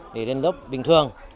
để lên lớp bình thường